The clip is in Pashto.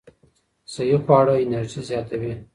صحي خواړه انرژي زیاتوي.